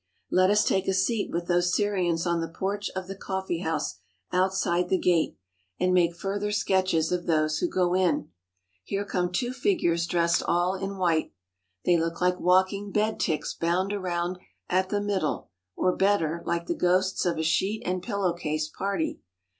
Let us take a seat with those Syrians on the porch of the coffee house outside the gate and make further 4i THE HOLY LAND AND SYRIA sketches of those who go in. Here come two figures dressed all in white. They look like walking bed ticks bound around at the middle, or, better, like the ghosts of a sheet and pillow case party.